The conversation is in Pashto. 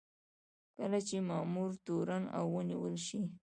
کله چې مامور تورن او ونیول شي.